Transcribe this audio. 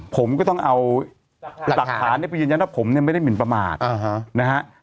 ผมก็ต้องเอาหลักฐานไปยืนยันว่าผมเนี่ยไม่ได้หมินประมาทนะฮะ